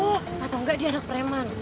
oh atau enggak dia anak preman